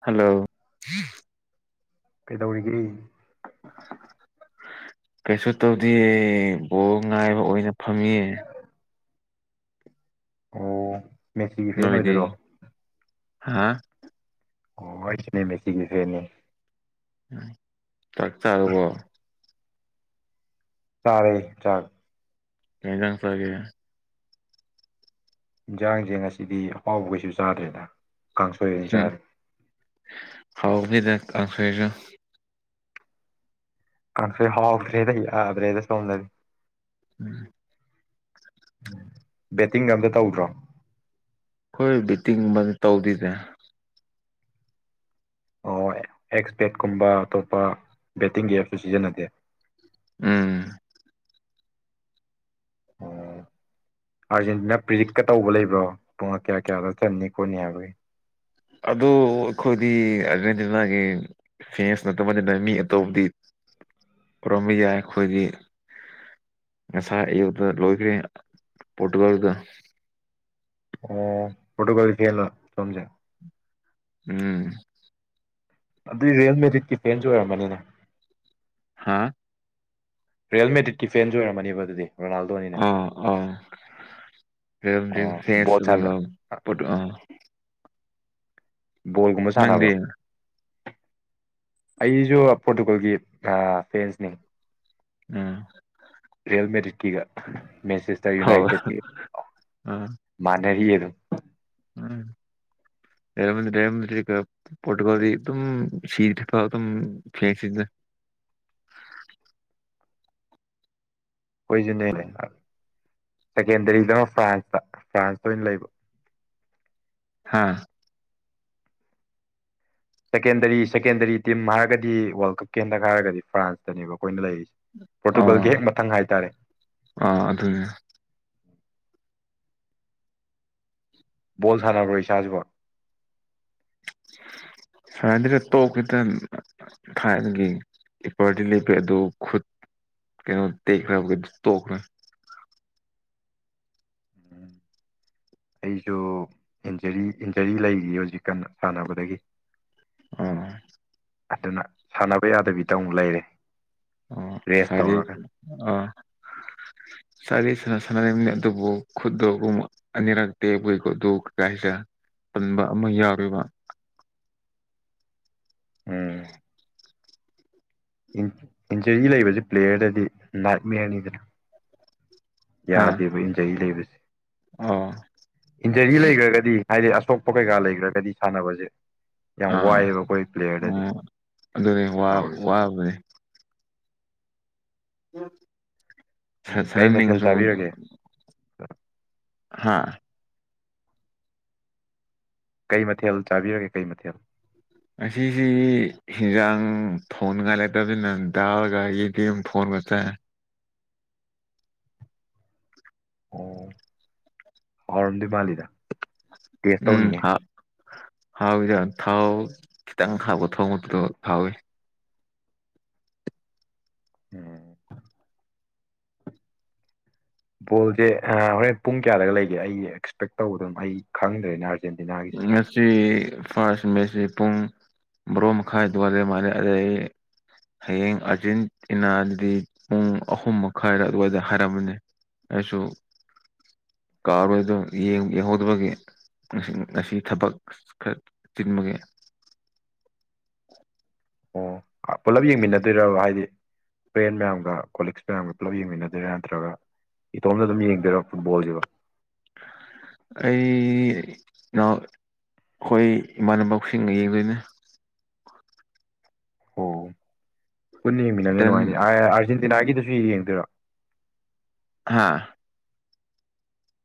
hello ꯀꯩꯗꯧꯔꯤꯒꯦ ꯀꯩꯁꯨ ꯇꯧꯗꯦꯌꯦ ꯕꯣꯜ ꯉꯥꯏꯕ ꯑꯣꯏꯅ ꯐꯝꯃꯤꯌꯦ ꯑꯣ ꯃꯦꯁꯤꯒꯤ ꯐꯦꯟ ꯅꯣꯏꯗꯤ ꯑꯣꯏꯗꯣꯏꯔꯣ ꯍꯥ ꯑꯣ [unintelligible] [unintelligible] ꯇꯥꯛ ꯆꯥꯔꯕꯣ ꯆꯥꯔꯦ ꯆꯥꯛ ꯀꯩ ꯍꯤꯟꯖꯥꯡ ꯆꯥꯒꯦ ꯍꯤꯟꯖꯥꯡꯁꯦ ꯉꯁꯤꯗꯤ ꯑꯍꯥꯎꯕ ꯀꯩꯁꯨ ꯆꯥꯗ꯭ꯔꯦꯗ ꯀꯥꯡꯁꯣꯏ ꯑꯣꯏ ꯎꯝ ꯆꯥꯔꯦ ꯍꯥꯎꯕꯅꯤꯗ ꯀꯥꯡꯁꯣꯏꯖꯨ ꯀꯥꯡꯁꯣꯏ ꯍꯥꯎꯇ꯭ꯔꯦꯗ ꯌꯥꯗ꯭ꯔꯦꯗ ꯁꯣꯝꯗ ꯎꯝ ꯕꯦꯠꯇꯤꯡ ꯑꯝꯇ ꯇꯧꯗ꯭ꯔꯣ ꯈꯣꯏ ꯕꯤꯇꯤꯡꯕ ꯇꯧꯗꯦꯗ ꯑꯣ ꯑꯦꯛꯁ ꯄꯦꯠꯀꯨꯝꯕ ꯑꯇꯣꯞꯄ ꯕꯦꯠꯇꯤꯡꯒꯤ ꯑꯦꯞꯁꯨ ꯁꯤꯖꯤꯟꯅꯗꯦ ꯎꯝ ꯑꯣ ꯑꯥꯔꯖꯦꯟꯇꯤꯅꯥ ꯄ꯭ꯔꯤꯛꯀ ꯇꯧꯕ ꯂꯩꯕ꯭ꯔꯣ ꯄꯨꯡ ꯀꯌꯥ ꯀꯌꯥꯗ ꯆꯟꯅꯤ ꯈꯣꯠꯅꯤ ꯍꯥꯏꯕꯒꯤ ꯑꯗꯨ ꯑꯈꯣꯏꯗꯤ ꯑꯔꯖꯦꯟꯇꯤꯅꯥꯒꯤ ꯐꯦꯟꯁ ꯅꯠꯇꯕꯅꯤꯅ ꯃꯤ ꯑꯇꯣꯞꯄꯗꯤ ꯄꯨꯔꯝꯕ ꯌꯥꯏ ꯈꯣꯏꯗꯤ ꯉꯁꯥꯏ ꯑꯌꯨꯛꯇ ꯂꯣꯏꯈ꯭ꯔꯦ ꯄꯣꯔꯇꯨꯒꯜꯗ ꯑꯣ ꯐꯣꯇꯣꯀꯥꯜ ꯐꯦꯟꯂ ꯁꯣꯝꯁꯦ ꯎꯝ ꯑꯗꯨꯗꯤ ꯔꯤꯌꯦꯜ ꯃꯦꯗꯔꯦꯛꯒꯤ ꯐꯦꯟꯁꯨ ꯑꯣꯏꯔꯝꯃꯅꯤꯅꯦ ꯍꯥꯥ ꯔꯤꯌꯦꯜ ꯃꯦꯗꯔꯤꯛꯀꯤ ꯐꯦꯟꯁꯨ ꯑꯣꯏꯔꯃꯅꯦꯕ ꯑꯗꯨꯗꯤ ꯔꯣꯅꯥꯜꯗꯣꯅꯤꯅ ꯑ ꯑꯦ ꯑ ꯑꯣ ꯕꯣꯜ ꯁꯥꯟꯅ [unintelligible] [unintelligible] ꯕꯣꯜꯒꯨꯝꯕ ꯅꯪꯗꯤ ꯁꯥꯟꯅꯕ꯭ꯔꯣ ꯑꯩꯁꯨ ꯄꯣꯔꯇꯨꯒꯜꯒꯤ ꯐꯦꯟꯁꯅꯤ ꯎꯝ ꯔꯤꯌꯦꯜ ꯃꯦꯗꯔꯤꯛꯀꯤꯒ ꯃꯦꯟꯁꯦꯁꯇꯔ ꯍꯣꯏ ꯌꯨꯅꯥꯏꯇꯦꯠꯀꯤ ꯑꯥ ꯃꯥꯟꯅꯔꯤꯌꯦ ꯑꯗꯨꯝ [inaudible] ꯔꯦꯟꯃꯦ ꯔꯦꯟꯃꯦ ꯄꯣꯇꯣꯀꯣꯜꯗꯤ ꯑꯗꯨꯝ ꯁꯤꯔꯤ ꯊ [unintelligible] ꯑꯗꯨꯝ ꯐ꯭ꯂꯁꯤꯗ ꯈꯣꯏꯁꯨꯅꯦꯅꯦ ꯁꯦꯀꯦꯟꯗꯔꯤꯗ ꯐ꯭ꯔꯥꯟꯁꯇ ꯐ꯭ꯔꯥꯟꯁꯇ ꯑꯣꯏꯅ ꯂꯩꯕ ꯍꯥꯥ ꯁꯦꯀꯦꯟꯗꯔꯤ ꯁꯦꯀꯦꯟꯗꯔꯤ ꯇꯤꯝ ꯍꯥꯏꯔꯒꯗꯤ ꯋꯥꯔꯜ ꯀꯞꯀꯤ ꯍꯟꯗꯛ ꯍꯥꯏꯔꯒꯗꯤ ꯐ꯭ꯔꯥꯟꯁꯇꯅꯦꯕ ꯑꯩꯈꯣꯏꯅ ꯂꯩꯔꯤꯁꯦ ꯑꯥ ꯄꯣꯔꯇꯨꯒꯜꯒꯤ ꯍꯦꯛ ꯃꯊꯪ ꯍꯥꯏꯇꯥꯔꯦ ꯑꯥ ꯑꯗꯨꯅꯦ ꯕꯣꯜ ꯁꯥꯟꯅꯕ꯭ꯔꯣ ꯢꯁꯥꯁꯤꯕꯣ ꯁꯥꯟꯅꯗꯦ ꯇꯣꯛꯈꯤꯗꯅ ꯊꯥꯏꯅꯒꯤ ꯀꯤꯄꯔꯇꯤ ꯂꯦꯞꯒꯦ ꯑꯗꯨ ꯈꯨꯠ ꯇꯦꯛꯄꯒꯤ ꯇꯣꯛꯈ꯭ꯔꯦ ꯑꯩꯁꯨ ꯏꯟꯖꯔꯤ ꯏꯟꯖꯔꯤ ꯂꯩꯔꯤ ꯍꯧꯖꯤꯛ ꯁꯥꯟꯅꯕꯗꯒꯤ ꯑꯥ ꯑꯗꯨꯅ ꯁꯥꯟꯅꯕ ꯌꯥꯗꯕꯤꯗ ꯑꯃꯨꯛ ꯂꯩꯔꯦ ꯑꯣ ꯔꯦꯁ ꯐꯔꯦ ꯇꯧꯔꯒ ꯑꯥ ꯑꯩꯗꯤ ꯁꯥꯟꯗꯤ ꯁꯥꯟꯅꯅꯤꯡ ꯑꯗꯨꯕꯨ ꯈꯠꯇ ꯑꯅꯤꯔꯛ ꯇꯦꯛꯄꯒꯤ ꯈꯨꯠꯇꯣ ꯀꯩ ꯍꯥꯢꯁꯤꯔ ꯇꯟꯕ ꯑꯃ ꯌꯥꯎꯔꯦꯕ ꯎꯝ ꯏꯟꯖꯔꯤ ꯂꯩꯕꯁꯤ ꯄ꯭ꯂꯦꯌꯔꯗꯗꯤ ꯅꯥꯛꯃꯦꯔꯅꯤꯗꯅ ꯍꯥ ꯌꯥꯗꯦꯕ ꯏꯟꯖꯔꯤ ꯂꯩꯕꯁꯦ ꯑꯣ ꯏꯟꯖꯔꯤ ꯂꯩꯈ꯭ꯔꯒꯗꯤ ꯍꯥꯏꯗꯤ ꯑꯁꯣꯛꯄ ꯀꯩꯀꯥ ꯂꯩꯈ꯭ꯔꯒꯗꯤ ꯁꯥꯟꯅꯕꯁꯦ ꯌꯥꯝ ꯑꯥ ꯋꯥꯏꯑꯦꯕ ꯑꯩꯈꯣꯏ ꯄ꯭ꯂꯦꯌꯔꯗꯗꯤ ꯑꯣ ꯑꯗꯨꯅꯦ ꯋꯥ ꯇꯧꯔꯤꯁꯦ ꯋꯥꯕꯅꯦ ꯎꯝ ꯀꯩ ꯃꯊꯦꯜ ꯁꯔꯦꯟꯗꯤꯁꯨ ꯆꯥꯕꯤꯔꯒꯦ [unintelligible] ꯍꯥꯥ ꯀꯩ ꯃꯊꯦꯜ ꯆꯥꯕꯤꯔꯒꯦ ꯀꯩ ꯃꯊꯦꯜ ꯉꯁꯤꯁꯦ ꯍꯟꯖꯥꯡ ꯊꯣꯡꯅꯤꯡꯉꯥꯏ ꯂꯩꯇꯕꯅꯤꯅ ꯗꯥꯜꯒ ꯌꯦꯟꯗꯦꯝꯒ ꯊꯣꯡꯉꯒ ꯆꯥꯢ ꯑꯣ ꯍꯧꯔꯝꯗꯧ ꯃꯥꯜꯂꯤꯗ ꯇꯦꯁ ꯎꯝ ꯇꯧꯅꯤꯡꯉꯦ ꯍꯥ ꯍꯥꯎ ꯊꯥꯎ ꯈꯤꯇꯪ ꯍꯥꯎꯕꯒ ꯊꯣꯡꯕꯗꯣ ꯍꯥꯎꯋꯤ ꯎꯝ ꯕꯣꯜꯁꯦ ꯍꯣꯔꯦꯟ ꯄꯨꯡ ꯀꯌꯥꯗꯒ ꯂꯩꯒꯦ ꯑꯩ ꯑꯦꯛꯁꯄꯦꯛ ꯇꯧꯕꯗ ꯑꯗꯨꯝ ꯑꯩ ꯈꯪꯗ꯭ꯔꯦꯅꯦ ꯑꯥꯔꯖꯦꯟꯇꯤꯅꯥꯒꯤ ꯉꯁꯤ ꯐꯥꯔꯁ ꯃꯦꯁꯤ ꯄꯨꯡ ꯕ꯭ꯔꯣ ꯃꯈꯥꯏ ꯑꯗꯨꯋꯥꯢꯗ ꯃꯥꯂꯦ ꯑꯗꯩ ꯍꯌꯦꯡ ꯑꯥꯔꯖꯦꯟꯇꯤꯅꯥꯗꯤ ꯄꯨꯡ ꯑꯍꯨꯝ ꯃꯈꯥꯏꯔ ꯑꯗꯨꯋꯥꯏꯗ ꯍꯥꯏꯔꯝꯕꯅꯤ ꯑꯩꯁꯨ ꯀꯥꯔꯣꯏꯗꯣ ꯌꯦꯡꯍꯧꯗꯕꯒꯤ ꯉ ꯉꯁꯤ ꯊꯕꯛ ꯈꯔ ꯆꯤꯟꯕꯒꯤ ꯑꯣ ꯄꯨꯂꯞ ꯌꯦꯡꯃꯤꯟꯅꯗꯣꯏꯔꯕ ꯍꯥꯏꯗꯤ ꯐ꯭ꯔꯦꯟ ꯃꯌꯥꯝꯒ ꯀꯣꯂꯤꯛꯁ ꯃꯌꯥꯝꯒ ꯄꯨꯂꯞ ꯌꯦꯡꯃꯤꯟꯅꯗꯔꯥ ꯅꯠꯇ꯭ꯔꯒ ꯏꯇꯣꯝꯇ ꯑꯗꯨꯝ ꯌꯦꯡꯗꯣꯏꯔ ꯐꯨꯠꯕꯣꯜꯁꯤꯕꯣ ꯑꯩ ꯢꯅꯥꯎ ꯑꯩꯈꯣꯏ ꯏꯃꯥꯟꯅꯕꯁꯤꯡꯒ ꯌꯦꯡꯗꯣꯏꯅꯦ ꯑꯣ ꯄꯨꯟꯅ ꯌꯦꯡꯃꯤꯟꯅꯕꯅꯤꯅ ꯏꯇꯟ ꯅꯨꯡꯉꯥꯏꯅꯤ ꯑꯥꯔꯖꯦꯟꯇꯤꯅꯥꯒꯤꯗꯨꯁꯨ ꯌꯦꯡꯗꯣꯏꯔꯥ ꯍꯥꯥ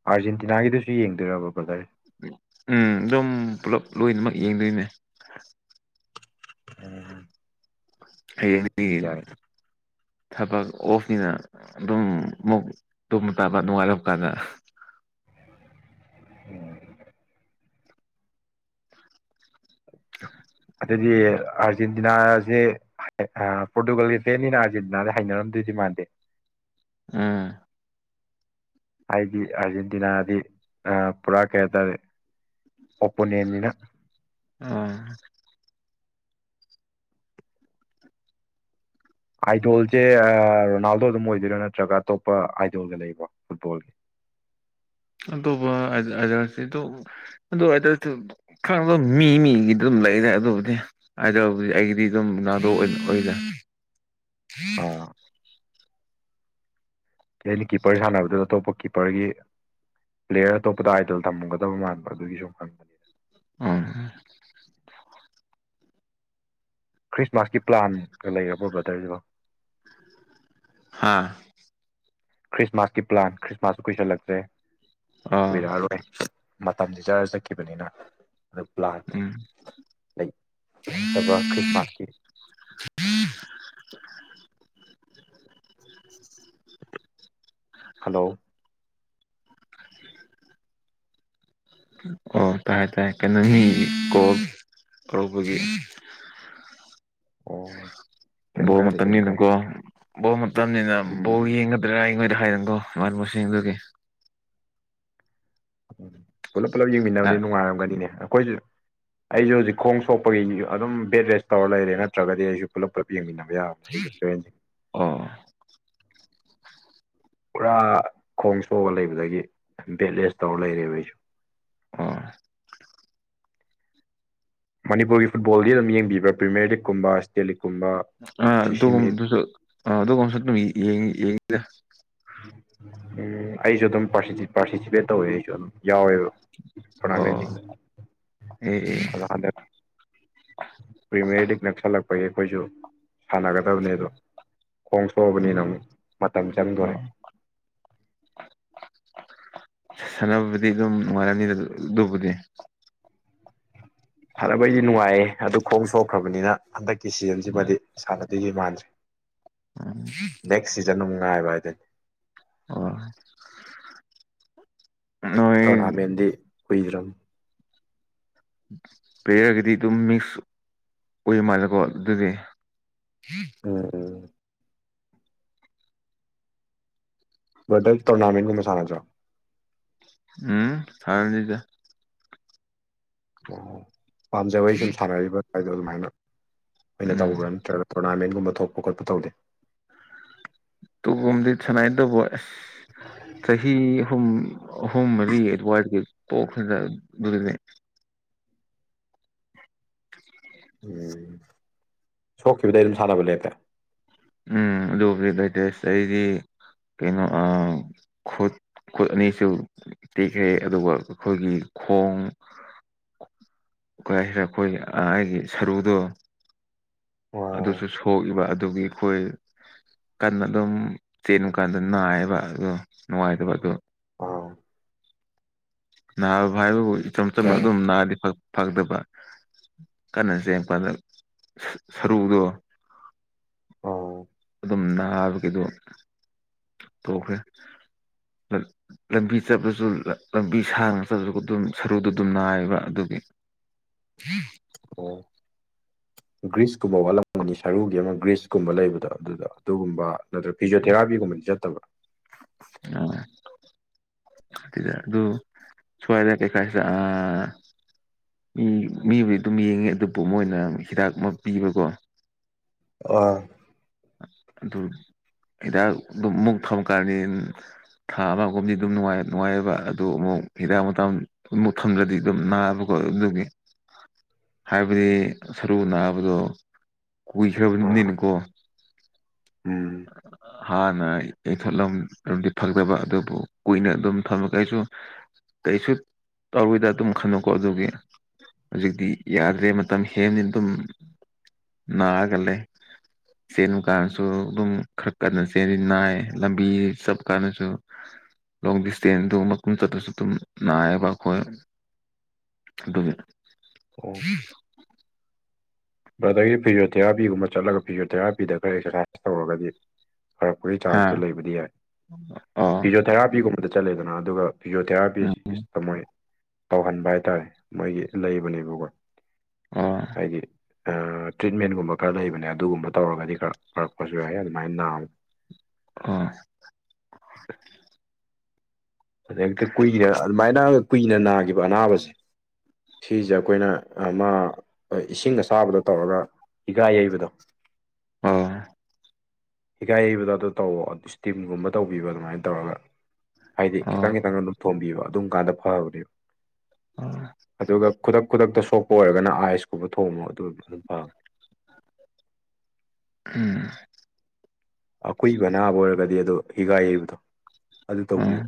ꯑꯥꯔꯖꯦꯟꯇꯤꯅꯥꯒꯤꯗꯨꯁꯨ ꯌꯦꯡꯗꯣꯏꯔꯕ ꯕ꯭ꯔꯗꯔ ꯎꯝ ꯑꯗꯨꯝ ꯄꯨꯂꯞ ꯂꯣꯏꯅꯃꯛ ꯌꯦꯡꯗꯣꯏꯅꯦ ꯎꯝ ꯍꯌꯦꯡꯗꯤ ꯑꯗꯨꯗꯤ ꯌꯥꯏ ꯊꯕꯛ ꯑꯣꯐꯅꯤꯅ ꯑꯗꯨꯝ ꯃꯨꯛ ꯇꯨꯝꯅ ꯇꯥꯕ ꯅꯣꯡꯉꯥꯜꯂꯛꯒꯥꯟꯗ ꯀꯥꯟꯗ ꯎꯝ [inaudible] ꯑꯗꯨꯗꯤ ꯑꯥꯔꯖꯦꯟꯇꯤꯅꯥꯁꯦ ꯄꯣꯔꯇꯨꯒꯜꯒꯤ ꯐꯦꯟꯅꯤꯅ ꯑꯥꯔꯖꯦꯟꯇꯤꯅꯥꯗ ꯍꯩꯅꯅꯔꯝꯗꯣꯏꯗꯤ ꯃꯥꯟꯗꯦ ꯑꯝ ꯍꯥꯏꯗꯤ ꯑꯥꯔꯖꯦꯟꯇꯤꯅꯥꯗꯤ ꯄꯨꯔꯥ ꯀꯩ ꯍꯥꯏꯇꯥꯔꯦ ꯑꯣꯄꯣꯅꯦꯟꯅꯤꯅ ꯑꯝ ꯑꯥꯏꯗꯣꯜꯁꯦ ꯔꯣꯅꯥꯜꯗꯣ ꯑꯗꯨꯝ ꯑꯣꯏꯗꯣꯏꯔꯥ ꯅꯠꯇ꯭ꯔꯒ ꯑꯇꯣꯞꯄ ꯑꯥꯏꯗꯣꯜꯒ ꯂꯩꯕ꯭ꯔꯣ ꯐꯨꯠꯕꯣꯜꯒꯤ ꯑꯇꯣꯞꯁꯤ [unintelligible] ꯑꯗꯨꯗ ꯈꯪꯗꯦ ꯃꯤ ꯃꯤꯒꯤꯗ ꯑꯗꯨꯝ ꯂꯩꯔꯦ ꯑꯗꯨꯕꯨꯗꯤ [unintelligible] ꯑꯩꯒꯤꯗꯤ ꯑꯗꯨꯝ ꯔꯣꯅꯥꯜꯗꯣ ꯑꯣꯢꯔꯦ ꯑꯥ ꯑꯩꯅ ꯀꯤꯞꯄꯔ ꯁꯥꯟꯅꯕꯗꯨꯗ ꯑꯇꯣꯞꯄ ꯀꯤꯞꯄꯔꯒꯤ ꯄ꯭ꯂꯦꯌꯔ ꯑꯇꯣꯞꯄꯗ ꯑꯥꯏꯗꯜ ꯊꯝꯒꯗꯕ ꯃꯥꯟꯕ ꯑꯗꯨꯒꯤ ꯁꯨꯝ ꯍꯪꯕ ꯑꯝ ꯈ꯭ꯔꯤꯁꯃꯥꯁꯀꯤ ꯄ꯭ꯂꯥꯟꯒ ꯂꯩꯔꯕꯣ ꯕ꯭ꯔꯗꯔꯁꯤꯕꯣ ꯍꯥꯥ ꯈ꯭ꯔꯤꯁꯃꯥꯁꯀꯤ ꯄ꯭ꯂꯥꯟ ꯈ꯭ꯔꯤꯃꯥꯁꯁꯨ ꯀꯨꯏꯁꯜꯂꯛꯇ꯭ꯔꯦ ꯑꯥ ꯌꯥꯔꯣꯏ ꯃꯇꯝꯗꯤ ꯆꯔ ꯆꯠꯈꯤꯕꯅꯤꯅ ꯑꯗꯨ ꯄ꯭ꯂꯥꯟ ꯎꯝ ꯂꯩ ꯂꯩꯇꯕ꯭ꯔꯥ ꯈ꯭ꯔꯤꯁꯃꯥꯁꯀꯤ ꯍꯜꯂꯣ ꯍꯜꯂꯣ ꯇꯥꯔꯦ ꯇꯥꯔꯦ ꯀꯩꯅꯣ ꯃꯤ ꯀꯣꯜ ꯇꯧꯔꯛꯄꯒꯤ ꯑꯣ ꯀꯩꯝ ꯕꯣꯜ ꯀꯥꯏꯗꯦ ꯀꯩꯝ ꯀꯥꯏꯗꯦ ꯃꯇꯝꯅꯤꯗꯪꯀꯣ ꯕꯣꯛ ꯃꯇꯝꯅꯤꯅ ꯕꯣ ꯎꯝ ꯌꯦꯡꯒꯗ꯭ꯔꯥ ꯑꯩꯉꯣꯏꯗ [unintelligible] ꯃꯔ [unintelligible] ꯃꯁꯤꯡꯗꯨꯒꯤ ꯎꯝ ꯄꯨꯂꯞ ꯄꯨꯂꯞ ꯑ ꯌꯦꯡꯃꯤꯟꯅꯕꯅꯤꯅ ꯅꯨꯡꯉꯥꯏꯔꯝꯒꯅꯤꯅꯦ ꯑꯩꯈꯣꯏꯁꯨ ꯑꯩꯁꯨ ꯍꯧꯖꯤꯛ ꯈꯣꯡ ꯁꯣꯛꯄꯒꯤ ꯑꯗꯨꯝ ꯕꯦꯠ ꯔꯦꯁ ꯇꯧꯔ ꯂꯩꯔꯦ ꯅꯠꯇ꯭ꯔꯒꯗꯤ ꯑꯩꯁꯨ ꯄꯨꯂꯞ ꯄꯨꯂꯞ ꯌꯦꯡꯃꯤꯟꯅꯕ ꯌꯥꯕꯅꯤ ꯐ [unintelligible] ꯑꯣ ꯄꯨꯔꯥ ꯈꯣꯡ ꯁꯣꯛꯑ ꯂꯩꯕꯗꯒꯤ ꯕꯦꯠꯂꯦꯖ ꯇꯧꯔ ꯂꯩꯔꯦꯕ ꯑꯩꯁꯨ ꯑꯣ ꯃꯅꯤꯄꯨꯔꯒꯤ ꯐꯨꯠꯕꯣꯜꯒꯤ ꯑꯗꯨꯝ ꯌꯦꯡꯕꯤꯕ꯭ꯔꯥ ꯄ꯭ꯔꯤꯃꯤꯌꯔ ꯂꯤꯛꯀꯨꯝꯕ ꯏꯁꯇꯦꯠ ꯂꯤꯛꯀꯨꯝꯕ ꯑꯥ ꯁꯤꯁꯤꯃꯤꯠ ꯑꯗꯨꯒꯨꯝꯁꯨ ꯑ ꯑꯗꯨꯒꯨꯝꯁꯨ ꯑꯗꯨꯝ ꯌꯦ ꯌꯦꯡꯉꯤꯗ ꯎꯝ ꯑꯩꯁꯨ ꯑꯗꯨꯝ ꯄꯥꯔꯇꯤꯁꯤꯄꯦꯠ ꯇꯧꯋꯦ ꯑꯩꯁꯨ ꯑꯗꯨꯝ ꯌꯥꯎꯋꯦꯕ ꯑꯣ ꯇꯣꯔꯅꯃꯦꯟꯁꯤꯡꯗ ꯑꯦ ꯑꯦ ꯃꯃꯥꯡꯗ ꯄ꯭ꯔꯤꯃꯤꯌꯔ ꯂꯤꯛ ꯅꯛꯁꯜꯂꯛꯄꯒꯤ ꯑꯩꯈꯣꯏꯁꯨ ꯁꯥꯟꯅꯒꯗꯕꯅꯦ ꯑꯗꯣ ꯈꯣꯡ ꯁꯣꯛꯑꯕꯅꯤꯅ ꯑꯣ ꯑꯃꯨꯛ ꯃꯇꯝ ꯆꯪꯗꯣꯔꯦ ꯑꯣ [inaudible] ꯁꯥꯟꯅꯕꯕꯨꯗꯤ ꯑꯗꯨꯝ ꯅꯨꯡꯉꯥꯢꯔꯝꯅꯤꯗ ꯑꯗꯨꯕꯨꯗꯤ ꯁꯥꯟꯅꯕꯩꯗꯤ ꯅꯨꯡꯉꯥꯏꯌꯦ ꯑꯗꯨ ꯈꯣꯡ ꯁꯣꯛꯈ꯭ꯔꯕꯅꯤꯅ ꯍꯟꯗꯛꯀꯤ ꯁꯤꯖꯟꯁꯤꯃꯗꯤ ꯁꯥꯟꯅꯗꯣꯏꯗꯤ ꯃꯥꯟꯗ꯭ꯔꯦ ꯎꯝ ꯅꯦꯛꯁ ꯁꯤꯖꯟ ꯑꯃꯨꯛ ꯉꯥꯏꯕ ꯍꯥꯏꯗꯨꯅꯤ ꯑꯣ ꯅꯣꯏ ꯇꯣꯔꯅꯥꯃꯦꯟꯗꯤ ꯀꯨꯏꯗ꯭ꯥꯔꯝ ꯄ꯭ꯂꯦꯌꯥꯔꯒꯤꯗꯤ ꯑꯗꯨꯝ ꯃꯤꯛꯁ ꯑꯣꯏ ꯃꯥꯜꯂꯦꯀꯣ ꯑꯗꯨꯗꯤ ꯎꯝ ꯎꯝ ꯕꯗꯔ ꯇꯣꯔꯅꯥꯃꯦꯟꯒꯨꯝꯕ ꯁꯥꯟꯅꯗ꯭ꯔꯣ ꯎꯝ ꯁꯥꯟꯅꯗꯦꯗ ꯑꯣ ꯄꯥꯝꯖꯕꯩ ꯁꯨꯝ ꯁꯥꯟꯅꯔꯤꯕ ꯍꯥꯢꯗꯣ ꯑꯗꯨꯃꯥꯏꯅ ꯑꯣꯏꯅ ꯎꯝ ꯇꯧꯕ꯭ꯔꯥ ꯅꯠꯇ꯭ꯔꯒ ꯇꯣꯔꯅꯥꯃꯦꯟꯒꯨꯝꯕ ꯊꯣꯛꯄ ꯈꯣꯠꯄ ꯇꯧꯗꯦ ꯇꯨꯒꯨꯝꯗꯤ ꯁꯥꯟꯅꯩ ꯑꯗꯨꯕꯨ ꯑꯁ ꯆꯍꯤ ꯑꯍꯨꯝ ꯑꯍꯨꯝ ꯃꯔꯤ ꯑꯦ ꯋꯥꯏ ꯄꯣꯛ [unintelligible] [unintelligible] [inaudible] ꯎꯝ ꯁꯣꯛꯈꯤꯕꯗꯩ ꯑꯗꯨꯝ ꯁꯥꯟꯅꯕ ꯂꯦꯞꯄꯦ ꯎꯝ ꯑꯗꯨꯕꯒꯤ [unintelligible] ꯀꯇꯦꯁꯗꯤ ꯀꯩꯅꯣ ꯈꯨꯠ ꯈꯨꯠ ꯑꯅꯤꯁꯨ ꯇꯦꯛꯈ꯭ꯔꯦ ꯑꯗꯨꯒ ꯑꯩꯈꯣꯏꯒꯤ ꯈꯣꯡ ꯀꯩ ꯍꯥꯢꯁꯤꯔꯥ ꯑꯩꯈꯣꯏ ꯑꯩꯒꯤ ꯁꯔꯨꯗꯣ ꯑꯣ ꯑꯗꯨꯁꯨ ꯁꯣꯛꯏꯕ ꯑꯗꯨꯒꯤ ꯑꯩꯈꯣꯏ ꯀꯟꯅ ꯑꯗꯨꯝ ꯆꯦꯟꯕꯀꯥꯟꯗ ꯅꯥꯏꯌꯦꯕ ꯑꯗꯣ ꯅꯨꯡꯉꯥꯏꯇꯕ ꯑꯗꯣ ꯑꯣ ꯅꯥꯕ ꯍꯥꯏꯕꯕꯨ ꯏꯆꯝ ꯆꯝꯅ ꯑꯗꯨꯝ ꯅꯥꯔꯗꯤ ꯐꯒꯗꯕ ꯀꯟꯅ ꯆꯦꯟꯕꯗ ꯁꯔꯨꯗꯣ ꯑꯣ ꯑꯗꯨꯝ ꯅꯥꯕꯒꯤꯒꯣ ꯇꯣꯛꯈ꯭ꯔꯦ ꯂꯝꯕꯤ ꯆꯠꯂꯁꯨ ꯂꯝꯕꯤ ꯏꯁꯥ ꯉꯥꯛꯇ ꯆꯟꯂꯁꯨ ꯑꯗꯨꯝ ꯁꯔꯨꯗꯣ ꯑꯗꯨꯝ ꯅꯥꯏꯌꯦꯕ ꯑꯗꯨꯒꯤ ꯑꯣ ꯒ꯭ꯔꯤꯁꯀꯨꯝꯕ ꯋꯥꯠꯂꯝꯒꯅꯤ ꯁꯔꯨꯒꯤ ꯑꯃ ꯒ꯭ꯔꯤꯁꯀꯨꯝꯕ ꯂꯩꯕꯗꯣ ꯑꯗꯨꯗ ꯑꯗꯨꯒꯨꯝꯕ ꯅꯠꯇ꯭ꯔꯒ ꯐꯤꯖꯥ ꯊꯦꯔꯥꯄꯤꯒꯨꯝꯕꯗꯤ ꯆꯠꯇꯕ꯭ꯔꯥ ꯑꯗꯨ ꯁꯋꯥꯏ ꯌꯥ [unintelligible] ꯀꯦ ꯀꯥꯏꯁ ꯑ ꯃꯤ ꯃꯤꯕꯨꯗꯤ ꯑꯗꯨꯝ ꯌꯦꯡꯉꯤ ꯑꯗꯨꯕꯨ ꯃꯣꯏꯅ ꯍꯤꯗꯥꯛ ꯑꯃ ꯄꯤꯕꯀꯣ ꯑꯥ ꯑꯗꯨ ꯍꯤꯗꯥꯛ ꯑꯗꯨꯝ ꯃꯨꯛ [unintelligible] ꯊꯃꯀꯥꯟꯅꯤ ꯊꯥ ꯑꯃꯒꯨꯝꯕꯗꯤ ꯑꯗꯨꯝ ꯅꯨꯡꯉꯥꯏ ꯅꯨꯡꯉꯥꯏꯑꯦꯕ ꯑꯗꯨ ꯑꯃꯨꯛ ꯍꯤꯗꯥꯛ ꯃꯇ ꯑꯃꯨꯛ ꯊꯝꯗ꯭ꯔꯗꯤ ꯑꯗꯨꯝ ꯅꯥꯕꯀꯣ ꯑꯗꯨꯒꯤ ꯍꯥꯏꯕꯗꯤ ꯁꯔꯨ ꯅꯥꯕꯗꯣ ꯑ ꯀꯨꯏꯈ꯭ꯔꯕꯅꯤꯅꯀꯣ ꯎꯝ [inaudible] ꯍꯥꯟꯅ ꯌ [unintelligible] ꯊꯣꯂꯝꯗꯤ ꯐꯪꯗꯕ ꯑꯗꯨꯕꯨ ꯀꯨꯏꯅ ꯑꯗꯨꯝ ꯊꯝꯃꯒꯩꯁꯨ ꯀꯩꯁꯨ ꯇꯧꯔꯣꯏꯗ ꯑꯗꯨꯝ ꯈꯜꯕꯀꯣ ꯑꯗꯨꯒꯤ ꯍꯧꯖꯤꯛꯇꯤ ꯌꯥꯗ꯭ꯔꯦ ꯃꯇꯝ ꯍꯦꯜꯂꯦꯅ ꯑꯗꯨꯝ ꯅꯥꯔꯒꯥ ꯂꯩ ꯆꯦꯅꯨꯀꯥꯁꯨ ꯄꯨꯡ ꯈꯔ ꯀꯟꯅ ꯆꯦꯔꯤ ꯅꯥꯏ ꯂꯝꯕꯤ ꯆꯠꯄ ꯀꯥꯟꯗꯁꯨ ꯂꯣꯡ ꯗꯤꯁꯇꯦꯟꯗꯨ ꯃꯀꯨꯡ ꯆꯠꯄꯁꯨ ꯑꯗꯨꯝ ꯅꯥꯏꯌꯦꯕ ꯑꯩꯈꯣꯏ ꯑꯗꯨꯒꯤ ꯑꯣ ꯕ꯭ꯔꯗꯔꯒꯤ ꯐꯤꯖꯣꯊꯦꯔꯥꯄꯤꯒꯨꯝꯕ ꯆꯠꯂꯒ ꯐꯤꯖꯣꯊꯦꯔꯥꯄꯤꯗ ꯈꯔ ꯑꯦꯛꯁꯔꯁꯥꯏꯁ ꯇꯧꯔꯒꯗꯤ ꯐꯔꯛꯄꯒꯤ ꯍꯥ ꯆꯥꯟꯁꯇꯨ ꯂꯩꯕꯗꯤ ꯌꯥꯏ ꯑꯣ ꯐꯤꯁꯣ ꯊꯦꯔꯥ ꯄꯤꯒꯨꯝꯕꯗ ꯆꯠꯂꯦꯗꯅ ꯑꯗꯨꯒ ꯎꯝ ꯐꯤꯖꯣꯑꯣꯊꯦꯔꯥꯄꯤꯁꯤꯇ ꯃꯣꯏ ꯇꯧꯍꯟꯕ ꯍꯥꯏꯇꯥꯔꯦ ꯃꯣꯏꯒꯤ ꯂꯩꯕꯅꯦꯕꯀꯣ ꯑꯣ ꯍꯥꯏꯗꯤ ꯑꯥ ꯇ꯭ꯔꯤꯠꯃꯦꯟꯒꯨꯝꯕ ꯈꯔ ꯂꯩꯕꯅꯦ ꯑꯗꯨꯒꯨꯝꯕ ꯇꯧꯔꯒꯗꯤ ꯈꯔ ꯐꯔꯛꯄꯁꯨ ꯌꯥꯏ ꯑꯗꯨꯃꯥꯏꯟ ꯅꯥꯕ ꯑꯥ ꯑꯗꯩ ꯍꯦꯛꯇ ꯀꯨꯏꯅ ꯑꯗꯨꯃꯥꯏꯅ ꯀꯨꯏꯅ ꯅꯥꯈꯤꯕ ꯑꯅꯥꯕꯁꯦ ꯁꯤꯁꯦ ꯑꯩꯈꯣꯏꯅ ꯑꯃꯥ ꯏꯁꯤꯡ ꯑꯁꯥꯕꯗ ꯇꯧꯔꯒ ꯍꯤꯒꯥ ꯌꯩꯕꯗꯣ ꯑꯣ ꯍꯤꯒꯥꯏ ꯍꯩꯕꯗꯣ ꯑꯗꯨ ꯇꯧꯋꯣ ꯏꯁꯇꯤꯝꯒꯨꯝꯕ ꯇꯧꯕꯤꯕ ꯑꯗꯨꯃꯥꯏꯅ ꯇꯧꯔꯒ ꯍꯥꯏꯗꯤ ꯑꯣ ꯈꯤꯇꯪ ꯈꯤꯇꯪ ꯑꯗꯨꯝ ꯊꯣꯝꯕꯤꯕ ꯑꯗꯨꯝ ꯀꯥꯟꯗ ꯐꯕꯅꯦꯕ ꯑꯣ ꯑꯗꯨꯒ ꯈꯨꯗꯛ ꯈꯨꯗꯛꯇ ꯁꯣꯛꯄ ꯑꯣꯏꯔꯒꯅ ꯑꯥꯏꯁꯀꯨꯝꯕ ꯊꯣꯡꯕꯣ ꯑꯗꯨ ꯑꯗꯨꯝ ꯐꯥꯥ ꯎꯝ ꯑꯀꯨꯏꯕ ꯑꯅꯥꯕ ꯑꯣꯏꯔꯒꯗꯤ ꯑꯗꯨ ꯍꯤꯒꯥꯏ ꯌꯩꯕꯗꯣ ꯑꯗꯨ ꯎꯝ ꯇꯧꯕꯤꯌꯨ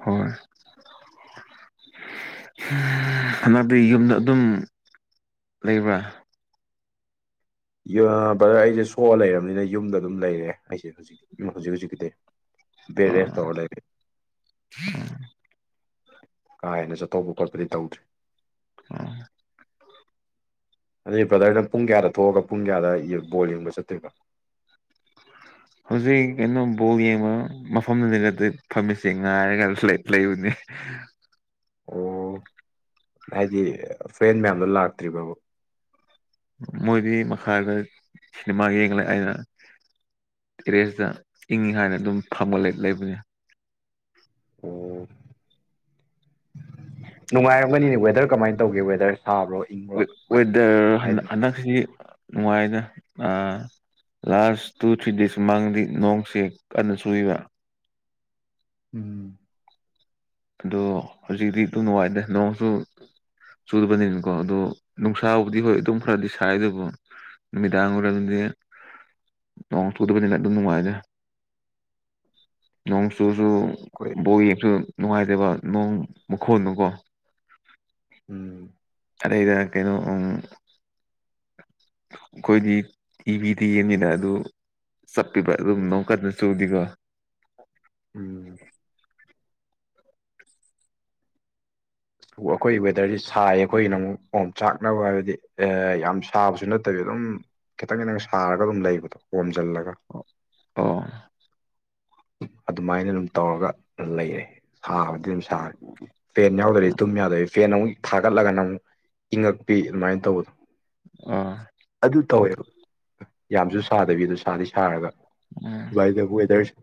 ꯍꯣꯏ ꯍꯟꯗꯛꯇꯤ ꯌꯨꯝꯗ ꯑꯗꯨꯝ ꯂꯩꯕ꯭ꯔꯥ ꯌꫭ ꯕ꯭ꯔꯗꯔ ꯑꯩꯁꯦ ꯁꯣꯛꯑ ꯂꯩꯔꯕꯅꯤꯅ ꯌꯨꯝꯗ ꯑꯗꯨꯝ ꯂꯩꯔꯦ ꯑꯩꯁꯦ ꯍꯧꯖꯤ ꯍꯧꯖꯤꯛꯀꯤꯗꯤ ꯕꯦꯔꯦꯁ ꯑꯣ ꯇꯧ ꯂꯩꯔ [inaudible] ꯀꯥ ꯍꯦꯟꯅ ꯆꯠꯊꯧꯕ ꯈꯣꯠꯄꯗꯤ ꯇꯧꯗ꯭ꯔꯤ ꯑꯥ ꯑꯗꯩ ꯕ꯭ꯔꯗꯔꯅ ꯄꯨꯡ ꯀꯌꯥꯗ ꯊꯣꯛꯑꯒ ꯄꯨꯡ ꯀꯌꯥꯗ ꯌꯨꯠ ꯕꯣꯜ ꯌꯦꯡꯕ ꯆꯠꯇꯣꯏꯕ ꯍꯧꯖꯤꯛ ꯀꯩꯅꯣ ꯕꯣꯜ ꯌꯦꯡꯕ ꯃꯐꯝꯗꯨꯗ ꯐꯝꯃꯤꯠꯁꯦ ꯉꯥꯏꯔꯒ ꯂꯩ ꯂꯩꯕꯅꯦ [inaudible] ꯑꯣ ꯍꯥꯏꯗꯤ ꯐ꯭ꯔꯦꯟ ꯃꯌꯥꯝꯗꯣ ꯂꯥꯛꯇ꯭ꯔꯤꯕꯕ ꯃꯣꯏꯗꯤ ꯃꯈꯥꯗ ꯁꯤꯃꯥ ꯌꯦꯡꯂꯩ ꯑꯩꯅꯥ ꯇꯔꯦꯁꯇ ꯏꯪꯉꯤ ꯍꯥꯏꯅ ꯑꯗꯨꯝ ꯐꯪꯃꯥ ꯂꯩ ꯂꯩꯕꯅꯦ ꯑꯣ ꯅꯨꯡꯉꯥꯏꯔꯝꯒꯅꯤꯅꯦ ꯋꯦꯗꯔ ꯀꯃꯥꯏ ꯇꯧꯒꯦ ꯋꯦꯗꯔ ꯁꯥꯕ꯭ꯔꯣ ꯏꯪꯕ꯭ꯔꯣ ꯋꯦ ꯑꯗꯨꯃꯥꯏꯅ ꯋꯦꯗꯔ ꯍꯟ ꯍꯥꯏꯗꯤ ꯍꯟꯗꯛꯁꯤ ꯅꯨꯡꯉꯥꯏꯅ ꯑꯥ ꯂꯥꯁ ꯇꯨ ꯊ꯭ꯔꯤ ꯗꯦꯖ ꯃꯃꯥꯡꯗꯤ ꯅꯣꯡꯁꯦ ꯀꯟꯅ ꯆꯨꯏꯕ ꯎꯝ ꯑꯗꯣ ꯍꯧꯖꯤꯛꯇꯤ ꯑꯗꯨ ꯅꯨꯡꯉꯥꯏꯗ ꯅꯣꯡꯁꯨ ꯆꯨꯕꯔꯥꯕꯅꯤꯅꯀꯣ ꯑꯗꯣ ꯅꯨꯡꯁꯥꯕꯨꯗꯤ ꯍꯣꯏ ꯑꯗꯨꯝ ꯈꯔꯗꯤ ꯁꯥꯏ ꯑꯗꯨꯕꯨ ꯅꯨꯃꯤꯗꯥꯡ ꯋꯥꯏꯔꯝꯗꯤ ꯅꯣꯡ ꯆꯨꯗꯕꯅꯤꯅꯥ ꯑꯗꯨꯝ ꯅꯨꯡꯉꯏꯔꯦ ꯅꯣꯡ ꯆꯨꯁꯨ ꯑꯩꯈꯣꯏ ꯕꯣꯜ ꯌꯦꯡꯁꯨ ꯅꯨꯡꯉꯥꯏꯇꯦꯕ ꯅꯣꯡ ꯃꯈꯣꯟꯅꯀꯣ ꯎꯝ ꯑꯗꯩꯗ ꯀꯩꯅꯣ ꯎ ꯑꯈꯣꯏꯗꯤ ꯇꯤꯚꯤꯗ ꯌꯦꯡꯅꯤꯅ ꯑꯗꯨ ꯆꯠꯄꯤꯕ ꯔꯨꯝ ꯑꯃꯣꯛ ꯀꯟꯅ ꯆꯨꯒꯤꯒꯣ ꯎꯝ ꯕ‌ꯣ ꯑꯩꯈꯣꯏ ꯋꯦꯗꯔꯁꯤ ꯁꯥꯏ ꯑꯩꯈꯣꯏꯒꯤꯅ ꯑꯃꯨꯛ ꯑꯣꯝꯆꯥꯛꯅꯕ ꯍꯥꯏꯕꯗꯤ ꯑ ꯌꯥꯝ ꯁꯥꯕꯁꯨ ꯅꯠꯇꯕꯤ ꯑꯗꯨꯝ ꯈꯤꯇꯪ ꯈꯤꯇꯪ ꯁꯥꯔꯒ ꯑꯗꯨꯝ ꯂꯩꯕꯗꯣ ꯑꯣꯝꯖꯤꯜꯂꯒ ꯑꯣ ꯑꯗꯨꯃꯥꯏꯅ ꯑꯗꯨꯝ ꯇꯧꯔꯒ ꯂꯩꯔꯦ ꯁꯥꯕꯗꯤ ꯑꯗꯨꯝ ꯁꯥꯔ ꯐꯦꯟ ꯌꯥꯎꯗꯗꯤ ꯇꯨꯝ ꯌꯥꯗꯋꯤ ꯐꯦꯟ ꯑꯃꯨꯛ ꯊꯥꯒꯠꯂꯒꯅ ꯑꯃꯨꯛ ꯏꯪꯉꯛꯄꯤ ꯑꯗꯨꯃꯥꯏꯅ ꯇꯧꯕꯗꯣ ꯑ ꯑꯗꯨ ꯇꯧꯋꯦꯕ ꯌꯥꯝꯁꯨ ꯁꯥꯗꯕꯤ ꯑꯗꯣ ꯁꯥꯗꯤ ꯁꯥꯔꯒ ꯎꯝ ꯑꯗꯨꯃꯥꯏ ꯇꯧꯕ ꯋꯦꯗꯔꯁ‌ꯦ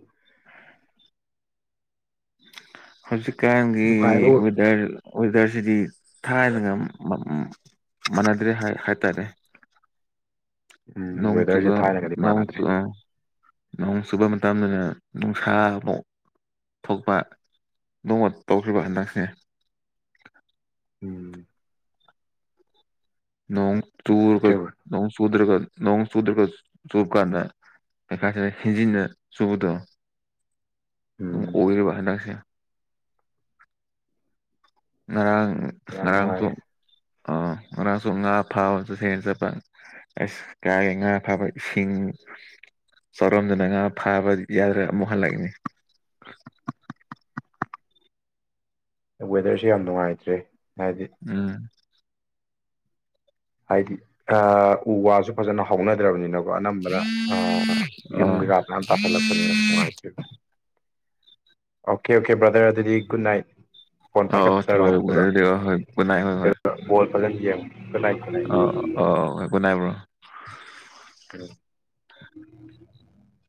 ꯍꯧꯖꯤꯛꯀꯥꯟꯒꯤ ꯅꯨꯡꯉꯥꯏꯕ ꯋꯦꯗꯔ ꯋꯦꯗꯔꯁꯤꯗꯤ ꯊꯥꯏꯅꯒ ꯃ ꯃꯥ ꯃꯥꯟꯅꯗ꯭ꯔꯦ ꯍꯥꯏ ꯍꯥꯏꯇꯥꯔꯦ [inaudible] ꯅꯣꯡ ꯋꯦꯗꯔꯁꯦ ꯆꯨꯕ ꯊꯥꯏꯅꯒꯗꯤ ꯅꯣꯡ ꯃꯥꯟꯅꯗ꯭ꯔꯦ ꯆꯨ ꯑꯥ ꯅꯣꯡ ꯆꯨꯕ ꯃꯇꯝꯗꯅ ꯅꯨꯡꯁꯥ ꯑꯃꯨꯛ ꯊꯣꯛꯄ ꯅꯣꯡꯃ ꯇꯧꯈ꯭ꯔ‌ꯦꯕ ꯍꯟꯗꯛꯁꯦ ꯎꯝ ꯅꯣꯡ ꯆꯨꯔꯒ ꯅꯣꯡ ꯆꯨꯗ꯭ꯔꯒ ꯅꯣꯡ ꯆꯨꯗ꯭ꯔꯒ ꯆꯨꯀꯥꯟꯗ [unintelligible] ꯁꯤꯗ ꯍꯦꯟꯖꯤꯟꯅ ꯆꯨꯕꯗꯣ ꯑꯗꯨꯝ ꯎꯝ ꯑꯣꯏꯔꯤꯕ ꯍꯟꯗꯛꯁꯦ ꯉꯔꯥꯡ ꯌꯥꯝ ꯅꯨꯡꯉꯥꯏ ꯉꯔꯥꯡꯁꯨ ꯑ ꯉꯔꯥꯡꯁꯨ ꯉꯥ ꯐꯥꯕ ꯆꯠꯁꯦꯟ ꯆꯠꯄ ꯑꯁ ꯀꯥꯏꯗꯩ ꯉꯥ ꯐꯥꯕ ꯏꯁꯤꯡ ꯆꯥꯎꯔꯝꯗꯅ ꯉꯥ ꯐꯥꯕ ꯌꯥꯗ꯭ꯔꯦ ꯑꯃꯨꯛ ꯍꯜꯂꯛꯏꯅꯤ ꯑ ꯋꯦꯗꯔꯁ‌ꯦ ꯌꯥꯝ ꯅꯨꯡꯉꯥꯏꯇ꯭ꯔꯦ ꯍꯥꯏꯗꯤ ꯎꯝ ꯍꯥꯏꯗꯤ ꯑ ꯎ ꯋꯥꯁꯨ ꯐꯖꯅ ꯍꯧꯥꯎꯅꯗ꯭ꯔꯕꯅꯤꯅ ꯁꯨ ꯑꯅꯝꯕꯅ ꯑ ꯌꯨꯝ ꯑꯣ ꯀꯩꯀꯥ ꯃꯌꯥꯝ ꯇꯥꯁꯜꯂꯛꯄꯅꯤꯅ ꯅꯨꯡꯉꯥꯏꯇ꯭ꯔ‌ꯦ ꯑꯣꯀꯦ ꯑꯣꯀꯦ ꯕ꯭ꯔꯗꯔ ꯑꯗꯨꯗꯤ ꯒꯨꯠ ꯅꯥꯏꯠ ꯐꯣꯟ ꯑꯧ ꯑꯧ ꯄꯥꯏꯈꯠꯆꯔꯣ ꯊꯕꯥꯛ ꯑꯗꯨꯒ ꯍꯣꯏ ꯒꯨꯠ ꯅꯥꯏꯠ ꯍꯣꯏ ꯀꯩꯅ‌ꯣ ꯕꯣꯜ ꯐꯖꯅ ꯌꯦꯡꯉ‌ꯣ ꯒꯨꯠꯅꯥꯏꯠ ꯑꯣ ꯑꯣ ꯍꯣ ꯒꯨꯠꯅꯥꯏꯠ ꯕ꯭ꯔꯣ ꯎꯝ [unintelligible]